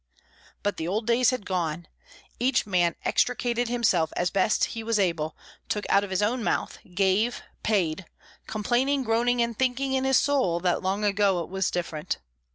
But the old days had gone! Each man extricated himself as best he was able, took out of his own mouth, gave, paid; complaining, groaning, and thinking in his soul that long ago it was different.